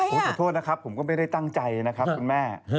ขอโทษนะครับผมก็ไม่ได้ตั้งใจนะครับคุณแม่